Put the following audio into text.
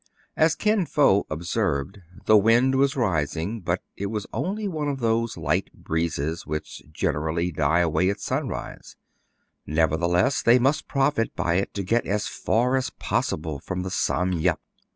As Kin Fo observed, the wind was rising; but it was only one of those light breezes which generally die away at sunrise : nevertheless they must profit by it to get as far as possible from the "Sam Yep."